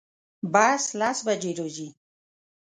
بس لس بجی راځي